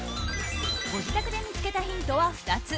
ご自宅で見つけたヒントは２つ。